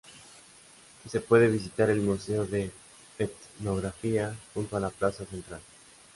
Se puede visitar el museo de etnografía junto a la plaza central.